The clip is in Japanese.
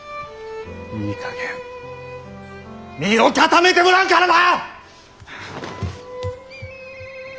いいかげん身を固めてもらうからな！